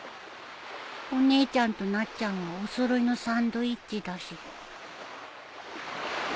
お姉ちゃんとなっちゃんはお揃いのサンドイッチだし